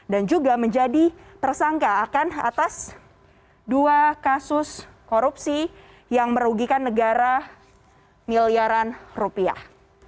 dan juga menjadi tersangka akan atas dua kasus korupsi yang merugikan negara miliaran rupiah